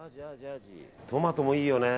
トマトもいいよね。